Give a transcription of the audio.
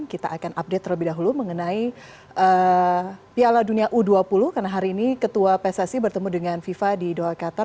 kita akan update terlebih dahulu mengenai piala dunia u dua puluh karena hari ini ketua pssi bertemu dengan fifa di doha qatar